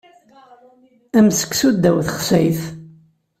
Am seksu ddaw texsayt.